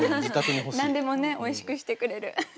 何でもねおいしくしてくれる。